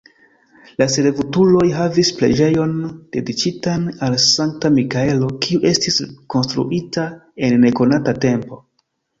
La servutuloj havis preĝejon dediĉitan al Sankta Mikaelo, kiu estis konstruita en nekonata tempo.